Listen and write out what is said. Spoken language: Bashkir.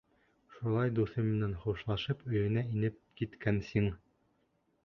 Шулай дуҫы менән хушлашып, өйөнә инеп киткән Сиң.